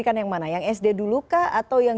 karena ada kebutuhan